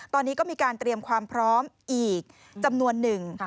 ตอนนี้ก็มีการเตรียมความพร้อมอีกจำนวนหนึ่ง